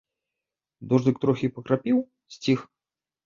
Дожджык троху пакрапіў, сціх.